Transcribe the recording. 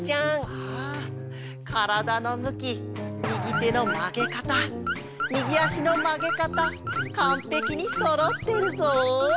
ああからだのむきみぎてのまげかたみぎあしのまげかたかんぺきにそろってるぞ！